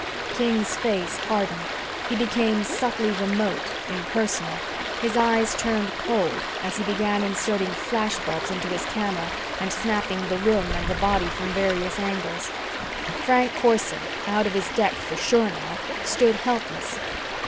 King's face hardened. He became subtly remote, impersonal. His eyes turned cold as he began inserting flash bulbs into his camera and snapping the room and the body from various angles. Frank Corson, out of his depth for sure now, stood helpless.